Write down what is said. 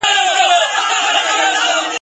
بې ساري بېلګه تل د خوند